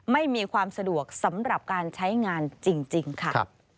ไม่มีความสะดวกสำหรับการใช้งานจริงค่ะ